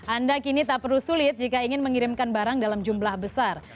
anda kini tak perlu sulit jika ingin mengirimkan barang dalam jumlah besar